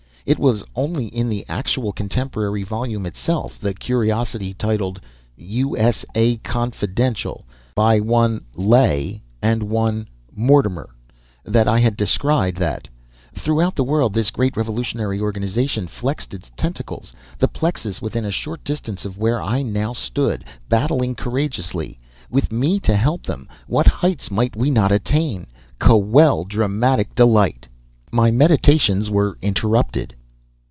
It was only in the actual contemporary volume itself, the curiosity titled U.S.A. Confidential by one Lait and one Mortimer, that I had descried that, throughout the world, this great revolutionary organization flexed its tentacles, the plexus within a short distance of where I now stood, battling courageously. With me to help them, what heights might we not attain! Kwel dramatic delight! My meditations were interrupted.